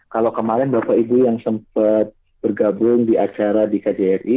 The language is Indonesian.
kalau kemarin bapak ibu yang sempat bergabung di acara di kjri